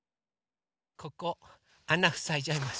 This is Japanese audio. ここあなふさいじゃいます。